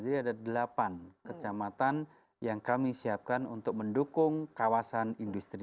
jadi ada delapan kecamatan yang kami siapkan untuk mendukung kawasan industri